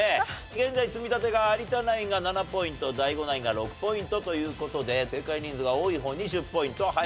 現在積み立てが有田ナインが７ポイントＤＡＩＧＯナインが６ポイントという事で正解人数が多い方に１０ポイント入ります。